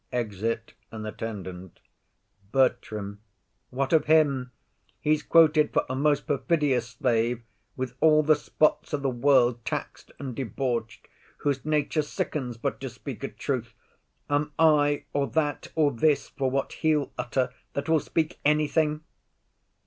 [Exit an Attendant.] BERTRAM. What of him? He's quoted for a most perfidious slave, With all the spots o' the world tax'd and debauch'd: Whose nature sickens but to speak a truth. Am I or that or this for what he'll utter, That will speak anything?